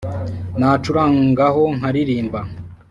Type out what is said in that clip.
nacurangaho nkalilimba